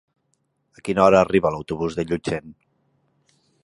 A quina hora arriba l'autobús de Llutxent?